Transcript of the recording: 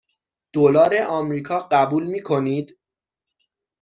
دلار آمریکا قبول می کنید؟